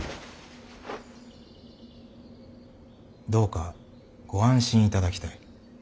どうかご安心いただきたい。